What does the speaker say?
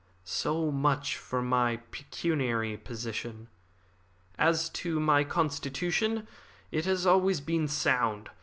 So much for my pecuniary position. As to my constitution, it has always been sound.